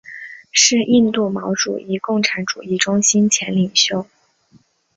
是印度毛主义共产主义中心前领袖。